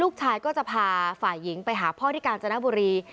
ลูกชายก็จะพาฝ่ายหญิงไปหาพ่อที่กาญจนบุรี